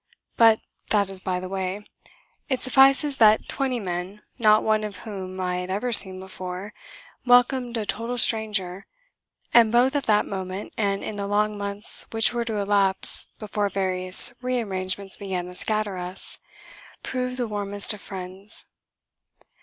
But that is by the way. It suffices that twenty men, not one of whom I had ever seen before, welcomed a total stranger, and both at that moment and in the long months which were to elapse before various rearrangements began to scatter us, proved the warmest of friends.